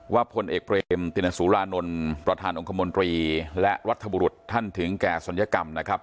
พลเอกเบรมตินสุรานนท์ประธานองค์คมนตรีและรัฐบุรุษท่านถึงแก่ศัลยกรรมนะครับ